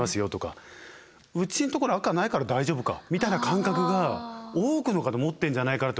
「うちのところ赤ないから大丈夫か」みたいな感覚が多くの方持ってんじゃないかなと。